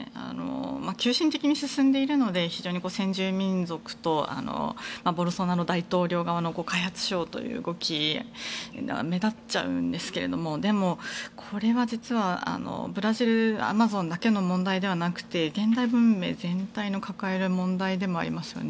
急進的に進んでいるので非常に先住民族とボルソナロ大統領側の開発しようという動きが目立っちゃうんですけどもでも、これは実はブラジルアマゾンだけの問題ではなくて現代文明全体が抱える問題でもありますね。